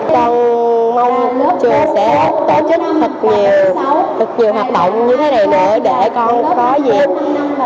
con mong trường sẽ tổ chức thật nhiều hạt động như thế này nữa